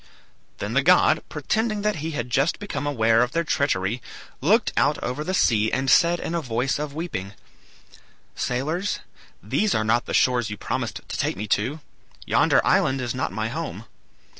"Then the god, pretending that he had just become aware of their treachery, looked out over the sea and said in a voice of weeping, 'Sailors, these are not the shores you promised to take me to; yonder island is not my home.